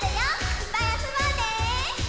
いっぱいあそぼうね！